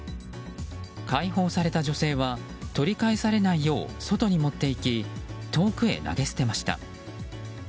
解放された女性は取り返されないよう外に持っていき遠くへ投げ捨てました。